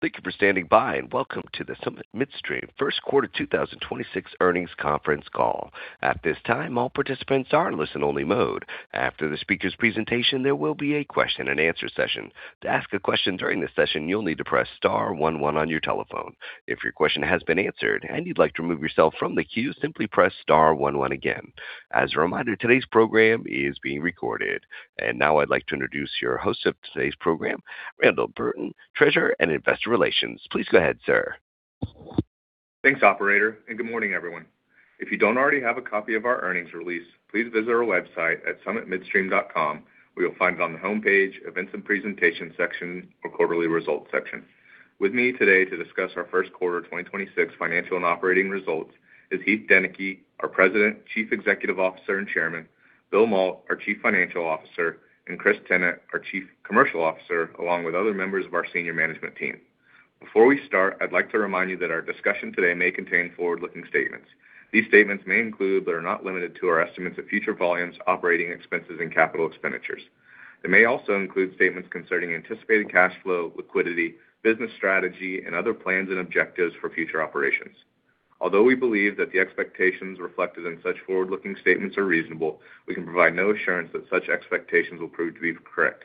Thank you for standing by, and welcome to the Summit Midstream first quarter 2026 earnings conference call. At this time, all participants are in listen only mode. After the speaker's presentation, there will be a question and answer session. To ask a question during the session, you'll need to press star one-one on your telephone. If your question has been answered and you'd like to remove yourself from the queue, simply press star one-one again. As a reminder, today's program is being recorded. Now I'd like to introduce your host of today's program, Randall Burton, Treasurer and Investor Relations. Please go ahead, sir. Thanks, operator. Good morning, everyone. If you don't already have a copy of our earnings release, please visit our website at summitmidstream.com where you'll find it on the homepage, Events and Presentation section or Quarterly Results section. With me today to discuss our first quarter 2026 financial and operating results is Heath Deneke, our President, Chief Executive Officer, and Chairman, Bill Mault, our Chief Financial Officer, and Chris Tennant, our Chief Commercial Officer, along with other members of our senior management team. Before we start, I'd like to remind you that our discussion today may contain forward-looking statements. These statements may include, but are not limited to, our estimates of future volumes, operating expenses, and capital expenditures. They may also include statements concerning anticipated cash flow, liquidity, business strategy, and other plans and objectives for future operations. Although we believe that the expectations reflected in such forward-looking statements are reasonable, we can provide no assurance that such expectations will prove to be correct.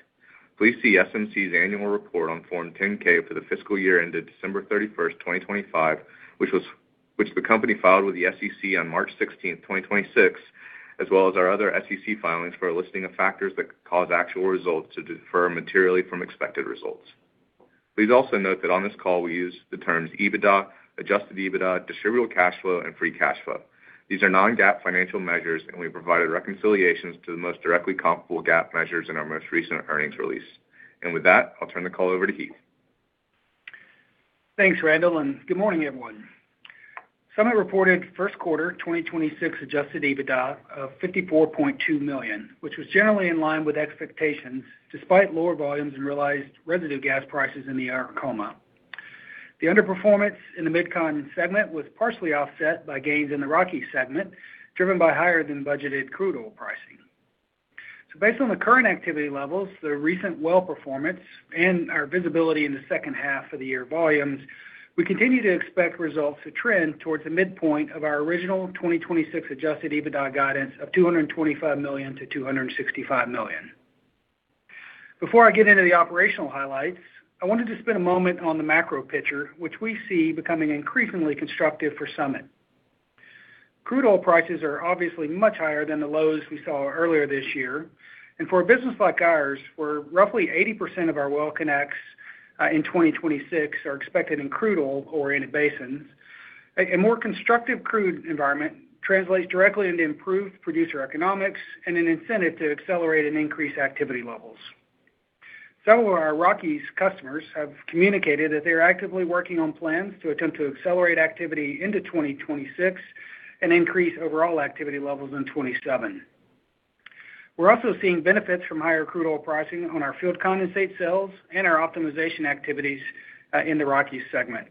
Please see SMC's annual report on Form 10-K for the fiscal year ended December 31st, 2025, which the company filed with the SEC on March 16th, 2026, as well as our other SEC filings for a listing of factors that could cause actual results to differ materially from expected results. Please also note that on this call we use the terms EBITDA, Adjusted EBITDA, Distributable Cash Flow, and Free Cash Flow. These are non-GAAP financial measures, and we provided reconciliations to the most directly comparable GAAP measures in our most recent earnings release. With that, I'll turn the call over to Heath. Thanks, Randall, and good morning, everyone. Summit reported first quarter 2026 Adjusted EBITDA of $54.2 million, which was generally in line with expectations despite lower volumes and realized residue gas prices in the Arkoma. The underperformance in the MidCon segment was partially offset by gains in the Rockies segment, driven by higher than budgeted crude oil pricing. Based on the current activity levels, the recent well performance, and our visibility in the second half of the year volumes, we continue to expect results to trend towards the midpoint of our original 2026 Adjusted EBITDA guidance of $225 million-$265 million. Before I get into the operational highlights, I wanted to spend a moment on the macro picture, which we see becoming increasingly constructive for Summit. Crude oil prices are obviously much higher than the lows we saw earlier this year. For a business like ours, where roughly 80% of our well connects in 2026 are expected in crude oil-oriented basins, a more constructive crude environment translates directly into improved producer economics and an incentive to accelerate and increase activity levels. Several of our Rockies customers have communicated that they are actively working on plans to attempt to accelerate activity into 2026 and increase overall activity levels in 2027. We're also seeing benefits from higher crude oil pricing on our field condensate sales and our optimization activities in the Rockies segment.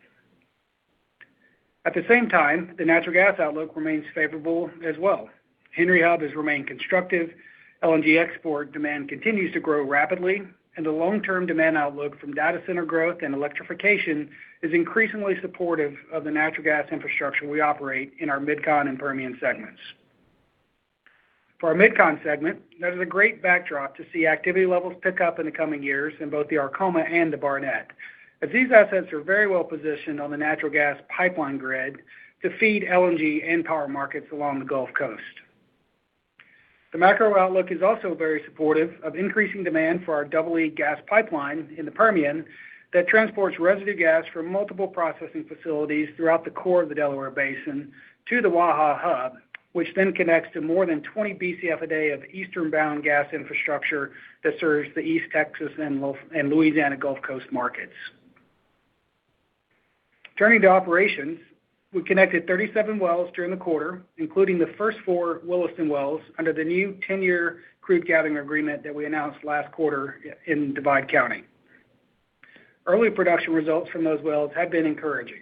At the same time, the natural gas outlook remains favorable as well. Henry Hub has remained constructive. LNG export demand continues to grow rapidly, and the long-term demand outlook from data center growth and electrification is increasingly supportive of the natural gas infrastructure we operate in our MidCon and Permian segments. For our MidCon segment, that is a great backdrop to see activity levels pick up in the coming years in both the Arkoma and the Barnett, as these assets are very well positioned on the natural gas pipeline grid to feed LNG and power markets along the Gulf Coast. The macro outlook is also very supportive of increasing demand for our Double E gas Pipeline in the Permian that transports residue gas from multiple processing facilities throughout the core of the Delaware Basin to the Waha Hub, which then connects to more than 20 Bcf a day of eastern-bound gas infrastructure that serves the East Texas and Louisiana Gulf Coast markets. Turning to operations, we connected 37 wells during the quarter, including the first four Williston wells under the new 10-year crude gathering agreement that we announced last quarter in Divide County. Early production results from those wells have been encouraging.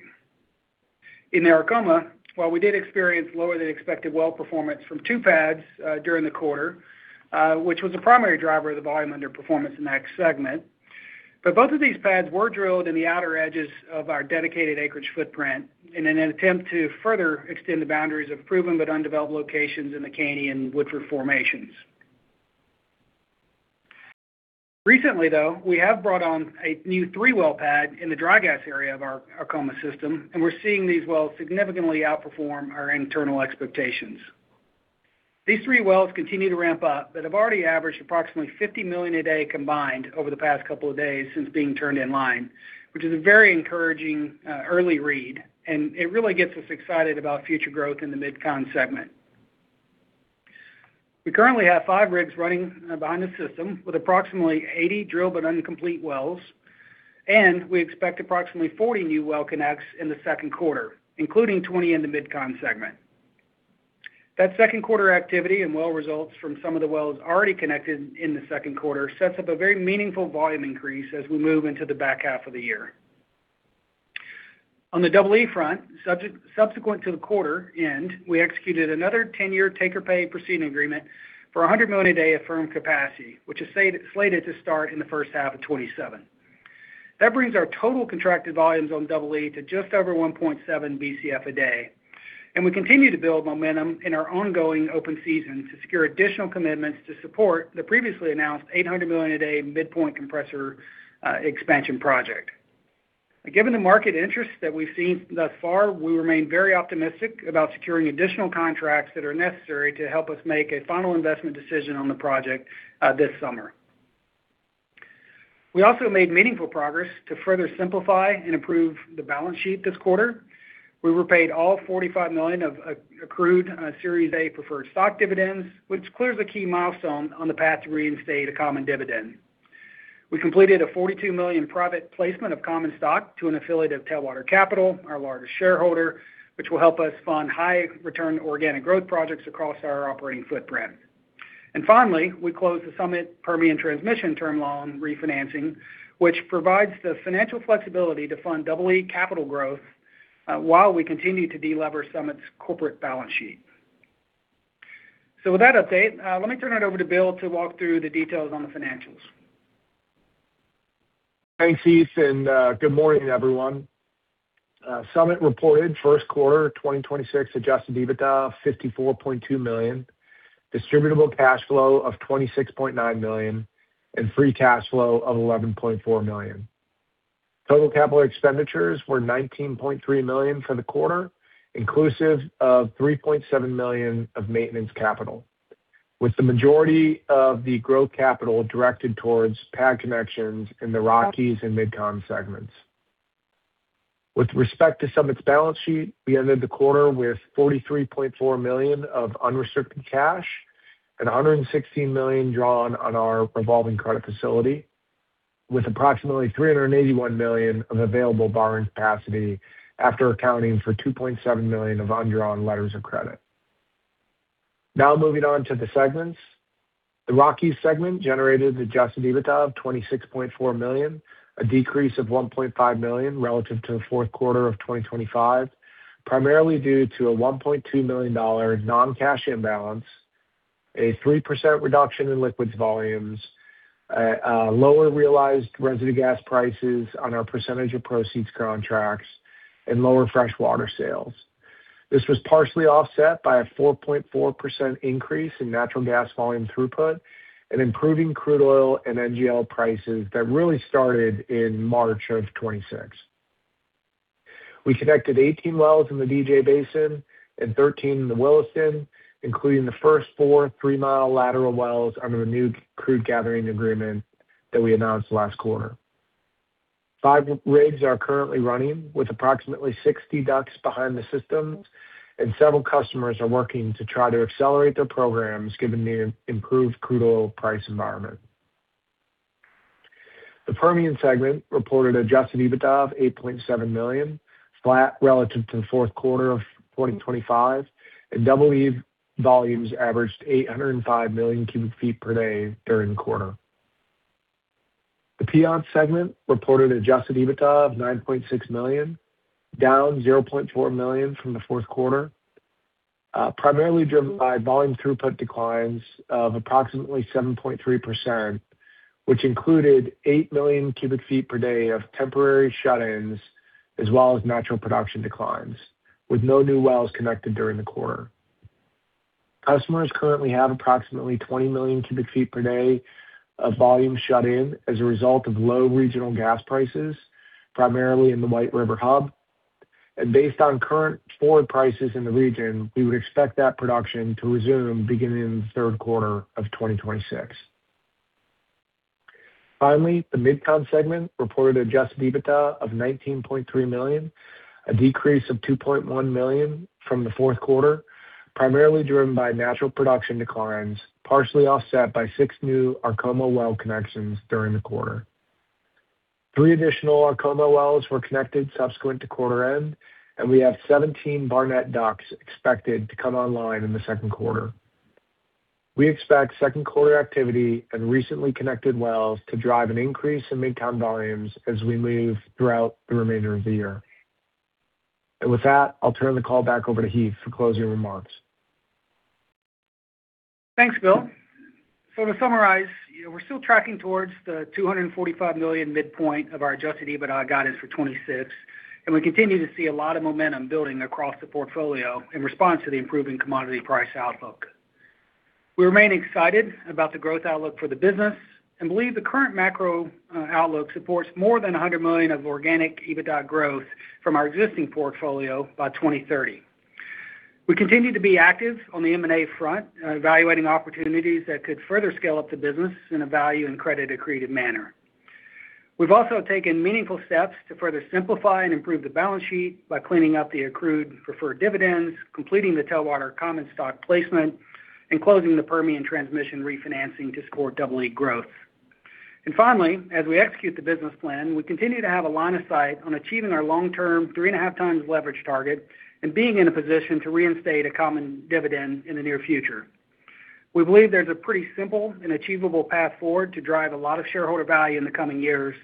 In the Arkoma, while we did experience lower than expected well performance from two pads during the quarter, which was a primary driver of the volume underperformance in that segment. Both of these pads were drilled in the outer edges of our dedicated acreage footprint in an attempt to further extend the boundaries of proven but undeveloped locations in the Caney and Woodford formations. Recently, though, we have brought on a new three-well pad in the dry gas area of our Arkoma system, and we're seeing these wells significantly outperform our internal expectations. These three wells continue to ramp up but have already averaged approximately 50 million a day combined over the past couple of days since being turned in line, which is a very encouraging early read, and it really gets us excited about future growth in the MidCon segment. We currently have five rigs running behind the system with approximately 80 drilled but uncompleted wells, and we expect approximately 40 new well connects in the second quarter, including 20 in the MidCon segment. That second quarter activity and well results from some of the wells already connected in the second quarter sets up a very meaningful volume increase as we move into the back half of the year. On the Double E front, subsequent to the quarter end, we executed another 10-year take-or-pay precedent agreement for $100 million a day of firm capacity, which is slated to start in the first half of 2027. That brings our total contracted volumes on Double E to just over 1.7 Bcf/d. We continue to build momentum in our ongoing open season to secure additional commitments to support the previously announced $800 million a day midpoint compressor expansion project. Given the market interest that we've seen thus far, we remain very optimistic about securing additional contracts that are necessary to help us make a final investment decision on the project this summer. We also made meaningful progress to further simplify and improve the balance sheet this quarter. We repaid all $45 million of accrued Series A preferred stock dividends, which clears a key milestone on the path to reinstate a common dividend. We completed a $42 million private placement of common stock to an affiliate of Tailwater Capital LLC, our largest shareholder, which will help us fund high return organic growth projects across our operating footprint. Finally, we closed the Summit Permian Transmission, LLC term loan refinancing, which provides the financial flexibility to fund Double E Pipeline capital growth while we continue to de-lever Summit's corporate balance sheet. With that update, let me turn it over to Bill to walk through the details on the financials. Thanks, Heath, good morning, everyone. Summit reported first quarter 2026 Adjusted EBITDA of $54.2 million, Distributable Cash Flow of $26.9 million, and Free Cash Flow of $11.4 million. Total capital expenditures were $19.3 million for the quarter, inclusive of $3.7 million of maintenance capital, with the majority of the growth capital directed towards pad connections in the Rockies and MidCon segments. With respect to Summit's balance sheet, we ended the quarter with $43.4 million of unrestricted cash and $116 million drawn on our revolving credit facility, with approximately $381 million of available borrowing capacity after accounting for $2.7 million of undrawn letters of credit. Now moving on to the segments. The Rockies segment generated Adjusted EBITDA of $26.4 million, a decrease of $1.5 million relative to the fourth quarter of 2025, primarily due to a $1.2 million non-cash imbalance, a 3% reduction in liquids volumes, a lower realized residue gas prices on our percentage of proceeds contracts, and lower freshwater sales. This was partially offset by a 4.4% increase in natural gas volume throughput and improving crude oil and NGL prices that really started in March of 2026. We connected 18 wells in the DJ Basin and 13 in the Williston, including the first four, three-mile lateral wells under the new crude gathering agreement that we announced last quarter. Five rigs are currently running with approximately 60 DUCs behind the systems. Several customers are working to try to accelerate their programs given the improved crude oil price environment. The Permian segment reported Adjusted EBITDA of $8.7 million, flat relative to the fourth quarter of 2025. Double E volumes averaged 805 million cu ft per day during the quarter. The Piceance segment reported Adjusted EBITDA of $9.6 million, down $0.4 million from the fourth quarter, primarily driven by volume throughput declines of approximately 7.3%, which included 8 million cu ft per day of temporary shut-ins as well as natural production declines, with no new wells connected during the quarter. Customers currently have approximately 20 million cu ft per day of volume shut in as a result of low regional gas prices, primarily in the White River Hub. Based on current forward prices in the region, we would expect that production to resume beginning in the third quarter of 2026. Finally, the MidCon segment reported Adjusted EBITDA of $19.3 million, a decrease of $2.1 million from the fourth quarter, primarily driven by natural production declines, partially offset by six new Arkoma well connections during the quarter. Three additional Arkoma wells were connected subsequent to quarter end, and we have 17 Barnett DUCs expected to come online in the second quarter. We expect second quarter activity and recently connected wells to drive an increase in MidCon volumes as we move throughout the remainder of the year. With that, I'll turn the call back over to Heath for closing remarks. Thanks, Bill. To summarize, you know, we're still tracking towards the $245 million midpoint of our Adjusted EBITDA guidance for 2026, and we continue to see a lot of momentum building across the portfolio in response to the improving commodity price outlook. We remain excited about the growth outlook for the business and believe the current macro outlook supports more than $100 million of organic EBITDA growth from our existing portfolio by 2030. We continue to be active on the M&A front, evaluating opportunities that could further scale up the business in a value and credit-accretive manner. We've also taken meaningful steps to further simplify and improve the balance sheet by cleaning up the accrued preferred dividends, completing the Tailwater common stock placement, and closing the Permian transmission refinancing to support Double E growth. Finally, as we execute the business plan, we continue to have a line of sight on achieving our long-term 3.5x leverage target and being in a position to reinstate a common dividend in the near future. We believe there's a pretty simple and achievable path forward to drive a lot of shareholder value in the coming years,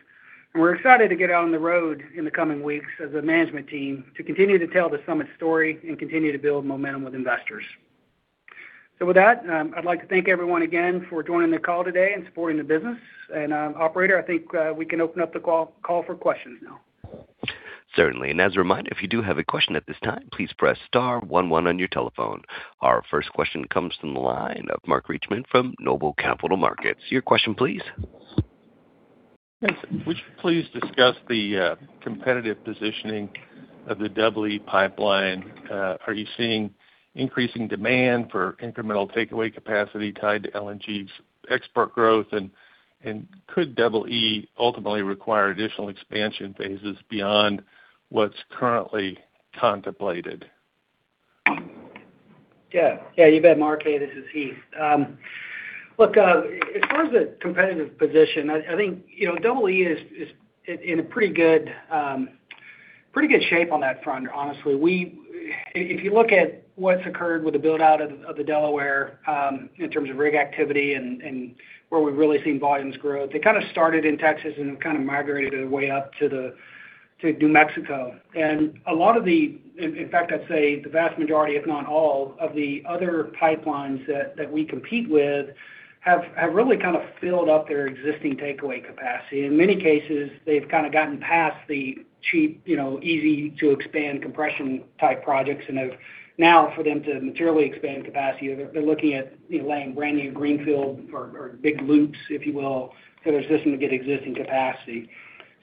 and we're excited to get out on the road in the coming weeks as a management team to continue to tell the Summit story and continue to build momentum with investors. With that, I'd like to thank everyone again for joining the call today and supporting the business. Operator, I think we can open up the call for questions now. Certainly. As a reminder, if you do have a question at this time, please press star one one on your telephone. Our first question comes from the line of Mark Reichman from Noble Capital Markets. Your question please. Thanks. Would you please discuss the competitive positioning of the Double E Pipeline? Are you seeing increasing demand for incremental takeaway capacity tied to LNG's export growth? Could Double E ultimately require additional expansion phases beyond what's currently contemplated? Yeah. Yeah, you bet, Mark. Hey, this is Heath. Look, as far as the competitive position, I think, you know, Double E is in a pretty good, pretty good shape on that front, honestly. We, if you look at what's occurred with the build-out of the Delaware, in terms of rig activity and where we've really seen volumes grow, they kind of started in Texas and have kind of migrated their way up to New Mexico. A lot of the, in fact, I'd say the vast majority, if not all, of the other pipelines that we compete with have really kind of filled up their existing takeaway capacity. In many cases, they've kind of gotten past the cheap, you know, easy to expand compression type projects and have now for them to materially expand capacity, they're looking at, you know, laying brand new greenfield or big loops, if you will, to their system to get existing capacity.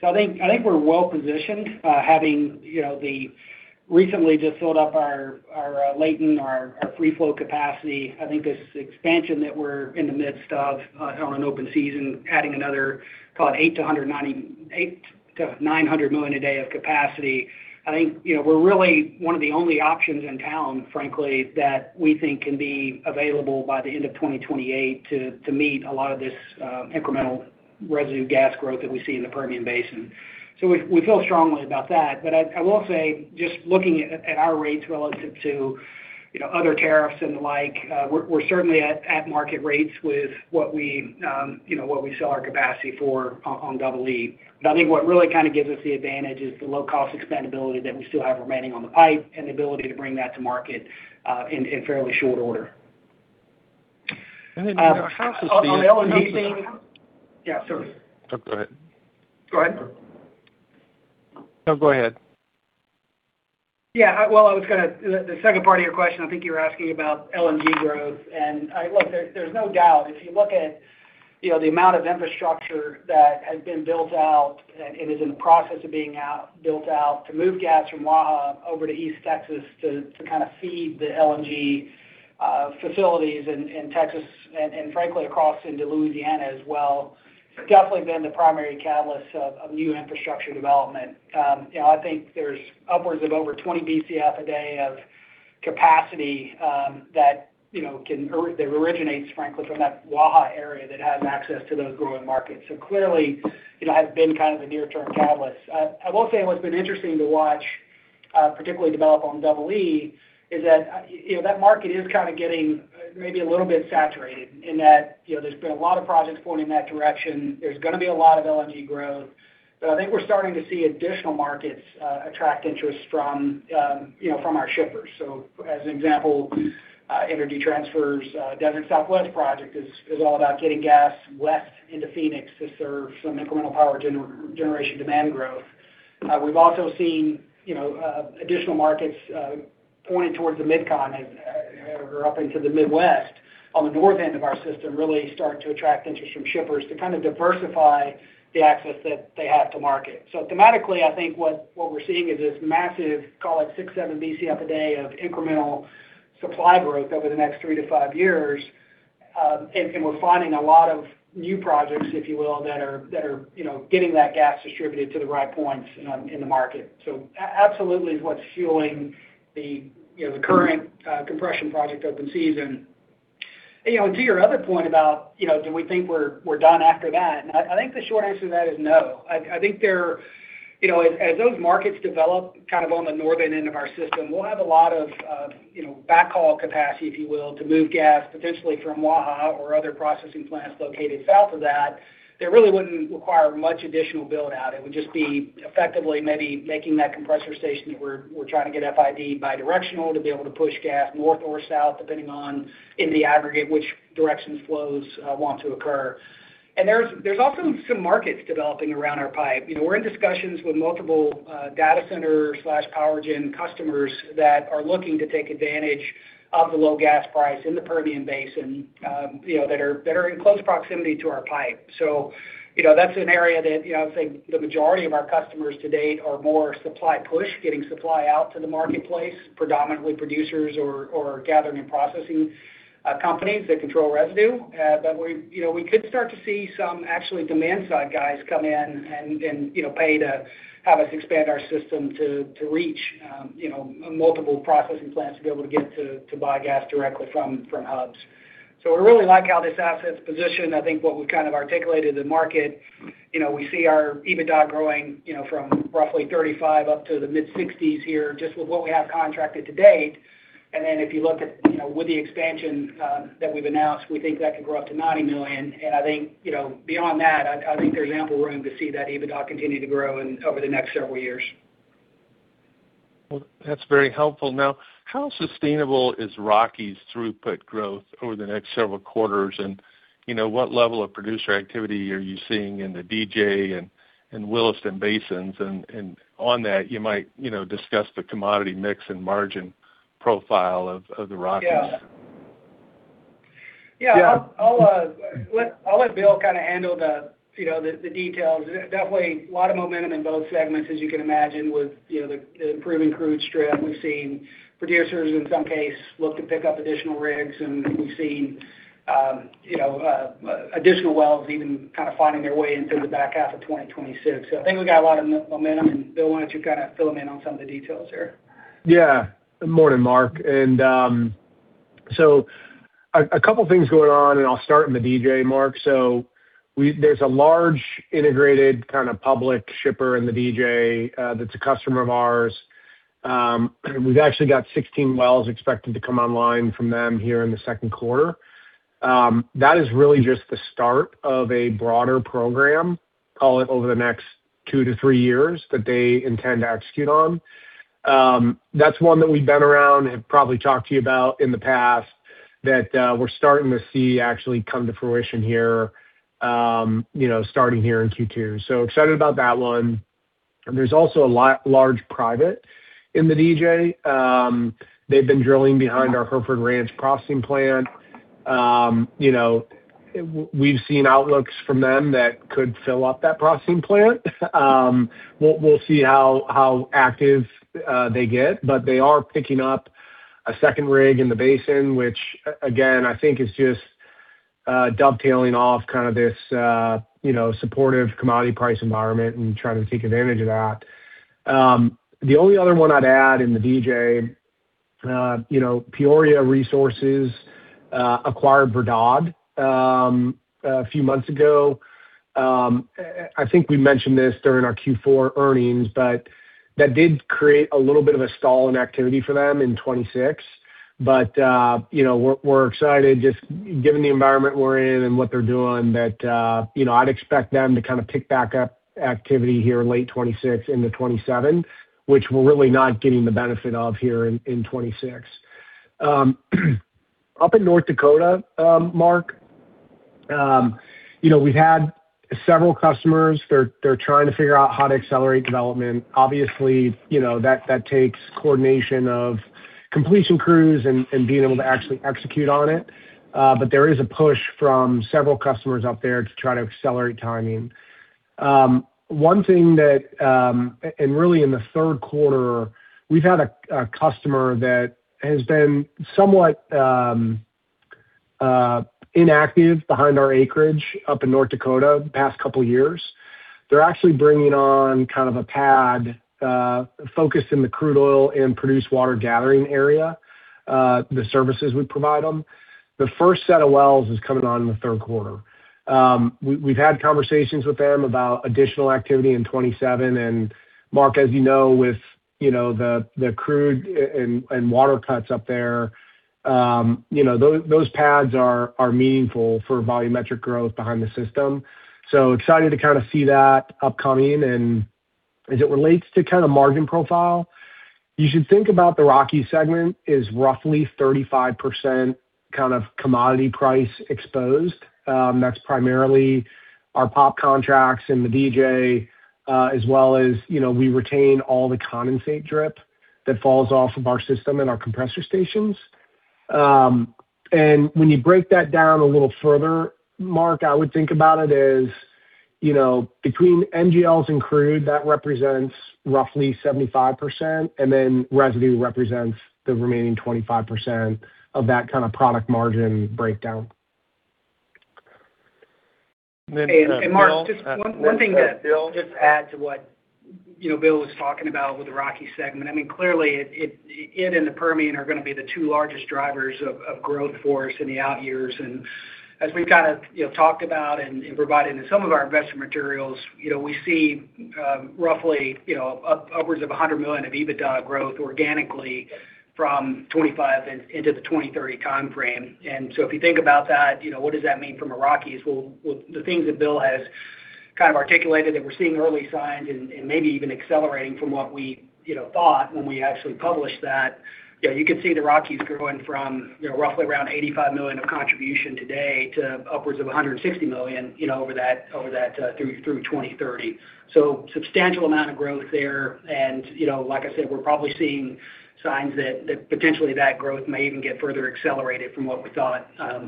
I think we're well positioned, having, you know, recently just filled up our latent, our free flow capacity. I think this expansion that we're in the midst of, on an open season, adding another call it 800 million-900 million a day of capacity. I think, you know, we're really one of the only options in town, frankly, that we think can be available by the end of 2028 to meet a lot of this incremental residue gas growth that we see in the Permian Basin. We feel strongly about that. I will say, just looking at our rates relative to, you know, other tariffs and the like, we're certainly at market rates with what we, you know, what we sell our capacity for on Double E Pipeline. I think what really kind of gives us the advantage is the low cost expandability that we still have remaining on the pipe and the ability to bring that to market in fairly short order. And then how's the- Yeah, sorry. Oh, go ahead. Go ahead. No, go ahead. Well, the second part of your question, I think you were asking about LNG growth. Look, there's no doubt if you look at, you know, the amount of infrastructure that has been built out and is in the process of being built out to move gas from Waha over to East Texas to kind of feed the LNG facilities in Texas and frankly across into Louisiana as well, it's definitely been the primary catalyst of new infrastructure development. You know, I think there's upwards of over 20 Bcf/d of capacity that, you know, originates frankly from that Waha area that has access to those growing markets. Clearly, it has been kind of a near-term catalyst. I will say what's been interesting to watch, particularly develop on Double E Pipeline is that, you know, that market is kind of getting, maybe a little bit saturated in that, you know, there's been a lot of projects pointing that direction. There's gonna be a lot of LNG growth. I think we're starting to see additional markets attract interest from, you know, from our shippers. As an example, Energy Transfer's Desert Southwest project is all about getting gas west into Phoenix to serve some incremental power generation demand growth. We've also seen, you know, additional markets pointed towards the MidCon and or up into the Midwest on the north end of our system, really start to attract interest from shippers to kind of diversify the access that they have to market. Thematically, I think what we're seeing is this massive, call it 6 Bcf/d, 7 Bcf/d of incremental supply growth over the next three to five years. And we're finding a lot of new projects, if you will, that are, you know, getting that gas distributed to the right points in the market. Absolutely what's fueling the, you know, the current compression project open season. You know, to your other point about, you know, do we think we're done after that? I think the short answer to that is no. I think there You know, as those markets develop kind of on the northern end of our system, we'll have a lot of, you know, backhaul capacity, if you will, to move gas potentially from Waha or other processing plants located south of that. That really wouldn't require much additional build out. It would just be effectively maybe making that compressor station that we're trying to get FID bi-directional to be able to push gas north or south, depending on in the aggregate which directions flows want to occur. There's also some markets developing around our pipe. You know, we're in discussions with multiple data center/power gen customers that are looking to take advantage of the low gas price in the Permian Basin, you know, that are in close proximity to our pipe. You know, that's an area that, you know, I would say the majority of our customers to date are more supply push, getting supply out to the marketplace, predominantly producers or gathering and processing companies that control residue. We, you know, we could start to see some actually demand side guys come in and, you know, pay to have us expand our system to reach, you know, multiple processing plants to be able to get to buy gas directly from hubs. We really like how this asset's positioned. I think what we've kind of articulated to the market, you know, we see our EBITDA growing, you know, from roughly $35 up to the mid-$60s here, just with what we have contracted to date. If you look at, you know, with the expansion that we've announced, we think that could grow up to $90 million. I think, you know, beyond that, I think there's ample room to see that EBITDA continue to grow over the next several years. Well, that's very helpful. Now, how sustainable is Rockies throughput growth over the next several quarters? You know, what level of producer activity are you seeing in the DJ and Williston basins? On that, you might, you know, discuss the commodity mix and margin profile of the Rockies. Yeah. Yeah. Yeah. I'll let Bill kind of handle the, you know, the details. Definitely a lot of momentum in both segments, as you can imagine, with, you know, the improving crude strip. We've seen producers in some case look to pick up additional rigs, and we've seen, you know, additional wells even kind of finding their way into the back half of 2026. I think we got a lot of momentum. Bill, why don't you kind of fill them in on some of the details here? Good morning, Mark. A couple things going on, and I'll start in the DJ, Mark. So there's a large integrated kind of public shipper in the DJ that's a customer of ours. We've actually got 16 wells expected to come online from them here in the second quarter. That is really just the start of a broader program, call it over the next two to three that they intend to execute on. That's one that we've been around and probably talked to you about in the past that we're starting to see actually come to fruition here, you know, starting here in Q2. Excited about that one. There's also a large private in the DJ. They've been drilling behind our Hereford Ranch processing plant. You know, we've seen outlooks from them that could fill up that processing plant. We'll see how active they get, but they are picking up a second rig in the basin, which again, I think is just dovetailing off kind of this, you know, supportive commodity price environment and trying to take advantage of that. The only other one I'd add in the DJ, you know, Peoria Resources acquired Verdad a few months ago. I think we mentioned this during our Q4 earnings, but that did create a little bit of a stall in activity for them in 2026. You know, we're excited just given the environment we're in and what they're doing that, you know, I'd expect them to kind of pick back up activity here late 2026 into 2027, which we're really not getting the benefit of here in 2026. Up in North Dakota, Mark, you know, we've had several customers. They're trying to figure out how to accelerate development. Obviously, you know, that takes coordination of completion crews and being able to actually execute on it. There is a push from several customers up there to try to accelerate timing. One thing that, and really in the third quarter, we've had a customer that has been somewhat inactive behind our acreage up in North Dakota the past two years. They're actually bringing on kind of a pad, focused in the crude oil and produced water gathering area, the services we provide them. The first set of wells is coming on in the third quarter. We've had conversations with them about additional activity in 2027. Mark, as you know, with, you know, the crude and water cuts up there, you know, those pads are meaningful for volumetric growth behind the system. So excited to kind of see that upcoming. As it relates to kind of margin profile, you should think about the Rocky segment is roughly 35% kind of commodity price exposed. That's primarily our POP contracts in the DJ, as well as, you know, we retain all the condensate drip that falls off of our system and our compressor stations. When you break that down a little further, Mark, I would think about it as, you know, between NGLs and crude, that represents roughly 75%, then residue represents the remaining 25% of that kind of product margin breakdown. Bill- Mark, just one thing. Bill Just add to what, you know, Bill was talking about with the Rockies segment. I mean, clearly it and the Permian are going to be the two largest drivers of growth for us in the out years. As we've kind of, you know, talked about and provided in some of our investment materials, you know, we see, roughly, you know, upwards of $100 million of EBITDA growth organically from 2025 into the 2030 time frame. If you think about that, you know, what does that mean from a Rockies? Well, well, the things that Bill Mault has kind of articulated that we're seeing early signs and maybe even accelerating from what we, you know, thought when we actually published that, you know, you could see the Rockies growing from, you know, roughly around $85 million of contribution today to upwards of $160 million, you know, over that, over that, through 2030. Substantial amount of growth there. You know, like I said, we're probably seeing signs that potentially that growth may even get further accelerated from what we thought,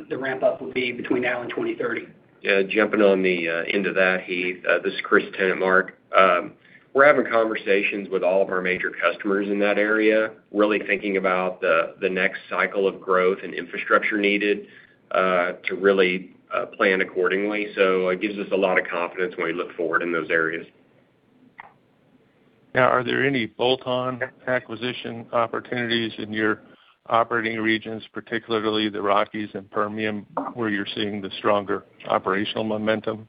the ramp up would be between now and 2030. Yeah. Jumping on the end of that, Heath. This is Chris Tennant, Mark. We're having conversations with all of our major customers in that area, really thinking about the next cycle of growth and infrastructure needed to really plan accordingly. It gives us a lot of confidence when we look forward in those areas. Are there any bolt-on acquisition opportunities in your operating regions, particularly the Rockies and Permian, where you're seeing the stronger operational momentum?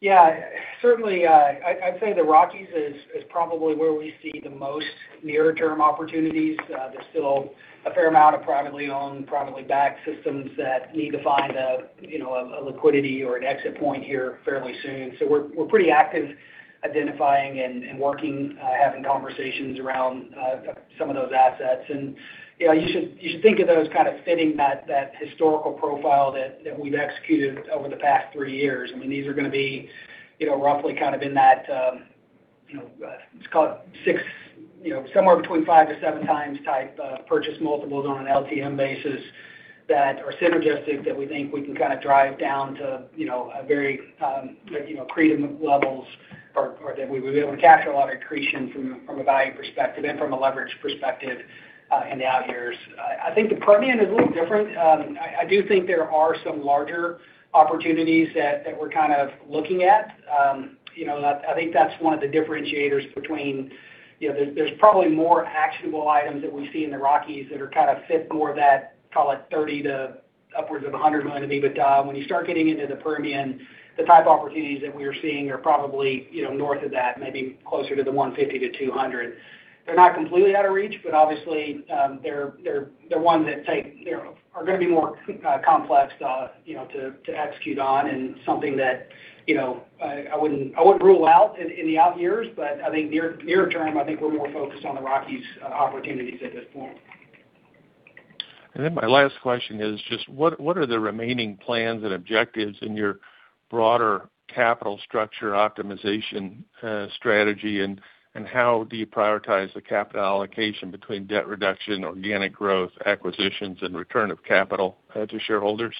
Yeah, certainly, I'd say the Rockies is probably where we see the most near-term opportunities. There's still a fair amount of privately owned, privately backed systems that need to find a, you know, a liquidity or an exit point here fairly soon. We're pretty active identifying and working, having conversations around some of those assets. You know, you should think of those kind of fitting that historical profile that we've executed over the past three years. I mean, these are gonna be, you know, roughly kind of in that, let's call it six, you know, somewhere between 5-7x type purchase multiples on an LTM basis that are synergistic, that we think we can kind of drive down to, you know, a very creative levels or that we would be able to capture a lot of accretion from a value perspective and from a leverage perspective in the out years. I think the Permian is a little different. I do think there are some larger opportunities that we're kind of looking at. You know, I think that's one of the differentiators between, you know There's probably more actionable items that we see in the Rockies that are kind of fit more that, call it $30 million to upwards of $100 million maybe. When you start getting into the Permian, the type of opportunities that we are seeing are probably, you know, north of that, maybe closer to $150 million-$200 million. They're not completely out of reach, but obviously, they're ones that take, you know, are gonna be more complex, you know, to execute on and something that, you know, I wouldn't rule out in the out years. I think near term, I think we're more focused on the Rockies opportunities at this point. My last question is just what are the remaining plans and objectives in your broader capital structure optimization strategy? How do you prioritize the capital allocation between debt reduction, organic growth, acquisitions, and return of capital to shareholders?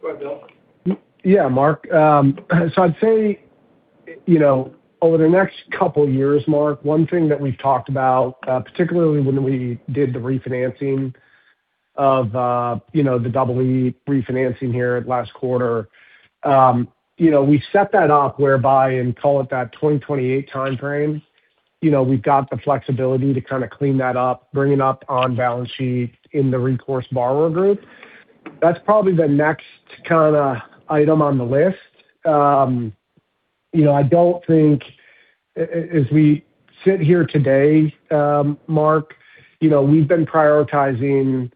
Go ahead, Bill. Yeah, Mark. I'd say, you know, over the next couple years, Mark, one thing that we've talked about, particularly when we did the refinancing of, you know, the Double E refinancing here last quarter, you know, we set that up whereby in, call it, that 2028 timeframe, you know, we've got the flexibility to kind of clean that up, bring it up on balance sheet in the recourse borrower group. That's probably the next kind of item on the list. You know, I don't think as we sit here today, Mark, you know, we've been prioritizing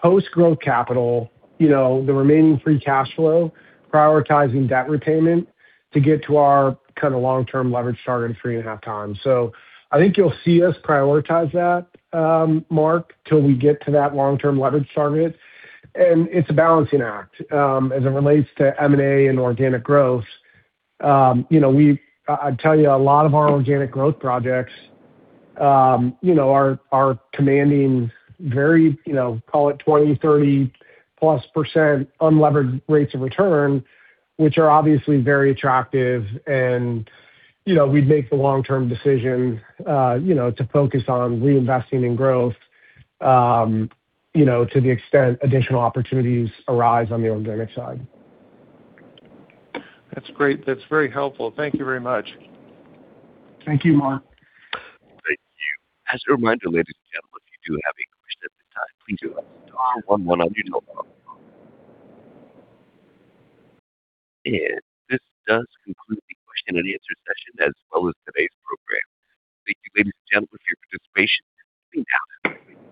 post-growth capital, you know, the remaining Free Cash Flow, prioritizing debt repayment to get to our kind of long-term leverage target in 3.5x. I think you'll see us prioritize that, Mark, till we get to that long-term leverage target. It's a balancing act. As it relates to M&A and organic growth, you know, I'd tell you, a lot of our organic growth projects, you know, are commanding very, you know, call it 20%, 30% plus unlevered rates of return, which are obviously very attractive. You know, we'd make the long-term decision, you know, to focus on reinvesting in growth, you know, to the extent additional opportunities arise on the organic side. That's great. That's very helpful. Thank you very much. Thank you, Mark. Thank you. As a reminder, ladies and gentlemen, if you do have any questions at this time, please do star one-one on your telephone. This does conclude the question and answer session as well as today's program. Thank you, ladies and gentlemen, for your participation. You may now disconnect.